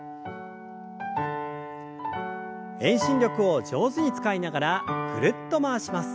遠心力を上手に使いながらぐるっと回します。